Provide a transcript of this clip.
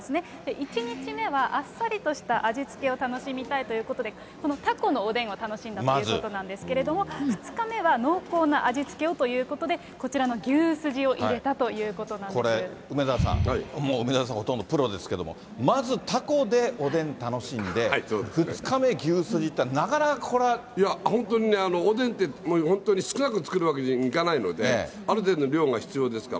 １日目はあっさりとした味付けを楽しみたいということで、このタコのおでんを楽しんだということなんですけれども、２日目は濃厚な味付けをということで、こちらの牛すじを入れたということなんこれ、梅沢さん、もう梅沢さん、ほとんどプロですけども、まずタコでおでん楽しんで、２日目、いや、本当にね、おでんって、本当に少なく作るわけにいかないのである程度の量が必要ですから。